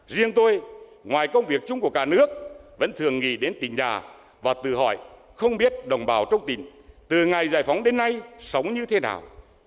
riêng tôi ngoài công việc chung của cả nước vẫn thường nghĩ đến tỉnh nhà và từ hỏi không biết đồng bào trong tỉnh từ ngày giải phóng đến nay sống như thế nào